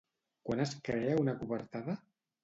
Quan es crea una cobertada?